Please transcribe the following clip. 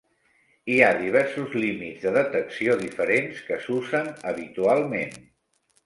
Hi ha diversos "límits de detecció" diferents que s'usen habitualment.